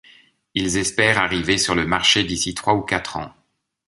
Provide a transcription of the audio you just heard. Ils espèrent arriver sur le marché d'ici trois ou quatre ans.